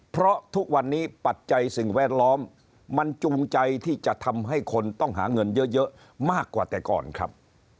เพราะทุกวันนี้ปัจจัยสิ่งแวดล้อมมันจูงใจที่จะทำให้คนต้องหาเงินเยอะมากกว่าแต่ก่อนครับ